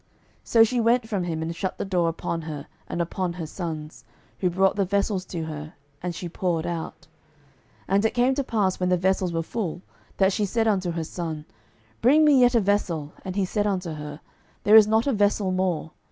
12:004:005 So she went from him, and shut the door upon her and upon her sons, who brought the vessels to her; and she poured out. 12:004:006 And it came to pass, when the vessels were full, that she said unto her son, Bring me yet a vessel. And he said unto her, There is not a vessel more.